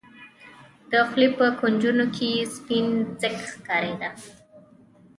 د خولې په کونجونو کښې يې سپين ځګ ښکارېده.